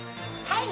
はい！